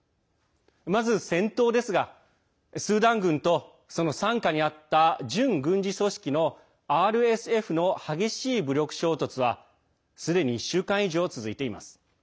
まず、戦闘ですがスーダン軍と、その傘下にあった準軍事組織のＲＳＦの激しい武力衝突はすでに１週間以上、続いています。